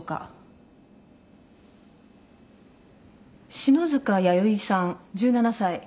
篠塚弥生さん１７歳。